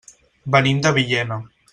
Venim de Villena.